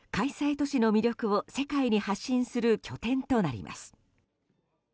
都市の魅力を世界に発信する拠点となります。